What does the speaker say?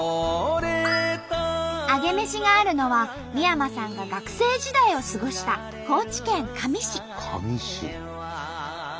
アゲメシがあるのは三山さんが学生時代を過ごした高知県香美市。